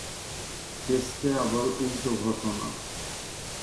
টেস্টে আবার উল্টো ঘটনা।